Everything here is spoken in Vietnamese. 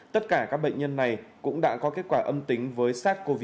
tất cả các bệnh nhân này cũng đã có kết quả âm tính với sars cov hai